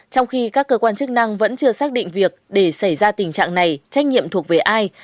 trong khi các cơ quan chức năng vẫn chưa xác định việc để xảy ra tình trạng này trách nhiệm thuộc về ai